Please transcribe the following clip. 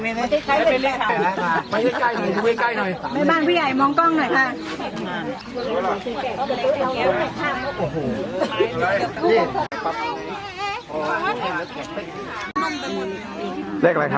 เนี่ยดูสิกันแน่น้ำนะคะ